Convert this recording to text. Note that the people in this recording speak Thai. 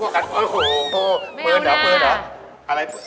กดกดกด